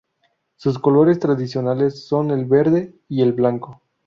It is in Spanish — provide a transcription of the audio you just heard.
Sus colores tradicionales son el verde y el blanco.